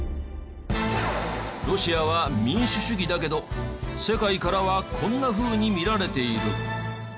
ロシアは民主主義だけど世界からはこんなふうに見られている。